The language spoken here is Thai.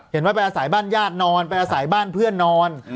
ว่าไปอาศัยบ้านญาตินอนไปอาศัยบ้านเพื่อนนอน